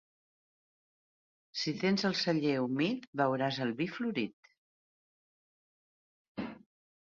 Si tens el celler humit beuràs el vi florit.